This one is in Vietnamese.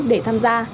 để tham gia